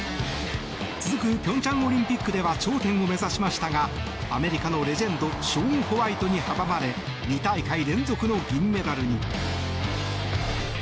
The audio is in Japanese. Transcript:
続く平昌オリンピックでは頂点を目指しましたがアメリカのレジェンドショーン・ホワイトに阻まれ２大会連続の銀メダルに。